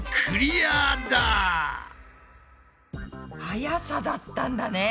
はやさだったんだね。